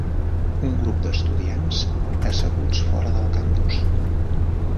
Un grup d"estudiants asseguts fora del campus.